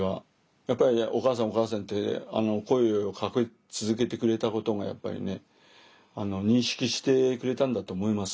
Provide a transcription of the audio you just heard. やっぱり「お母さんお母さん」って声をかけ続けてくれたことがやっぱりね認識してくれたんだと思います。